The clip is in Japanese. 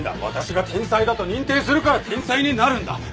私が天才だと認定するから天才になるんだ。